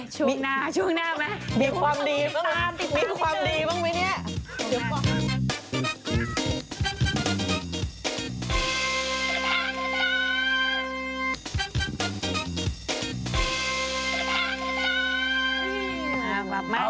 ช่วงหน้ามา